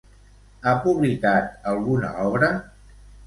Ha publicat alguna obra?